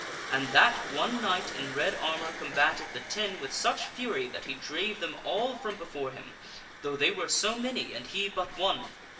And that one knight in red armor combated the ten with such fury that he drave them all from before him, though they were so many and he but one.